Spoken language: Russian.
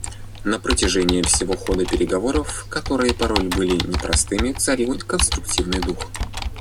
На протяжении всего хода переговоров, которые порой были непростыми, царил конструктивный дух.